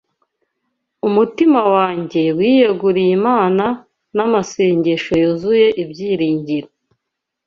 Umutima we wiyeguriye Imana, n’amasengesho yuzuye ibyiringiro